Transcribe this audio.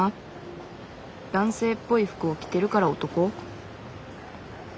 男性っぽい服を着てるから男？